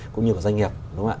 cũng như của doanh nghiệp